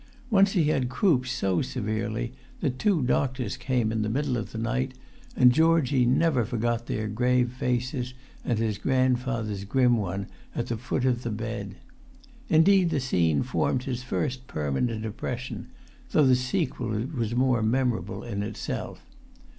[Pg 252] Once he had croup so severely that two doctors came in the middle of the night, and Georgie never forgot their grave faces and his grandfather's grim one at the foot of the bed. Indeed, the scene formed his first permanent impression, though the sequel was more memorable in itself.